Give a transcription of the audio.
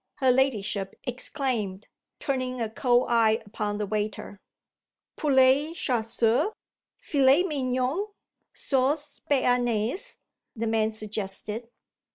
her ladyship exclaimed, turning a cold eye upon the waiter. "Poulet chasseur, filets mignons sauce bearnaise," the man suggested.